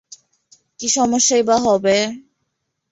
কী সমস্যাই বা হবে?